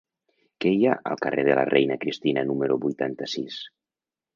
Què hi ha al carrer de la Reina Cristina número vuitanta-sis?